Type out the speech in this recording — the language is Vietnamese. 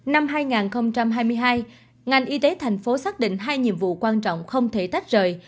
năm hai nghìn hai mươi hai ngành y tế thành phố xác định hai nhiệm vụ quan trọng không thể tách rời